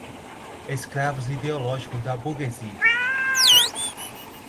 escravos ideológicos da burguesia